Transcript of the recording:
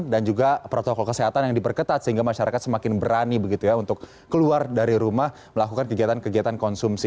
dan juga protokol kesehatan yang diperketat sehingga masyarakat semakin berani untuk keluar dari rumah melakukan kegiatan kegiatan konsumsi